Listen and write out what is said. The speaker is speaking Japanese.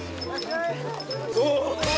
お！